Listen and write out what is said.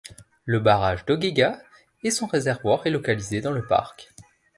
Le barrage d'Augeigas et son réservoir est localisé dans le parc.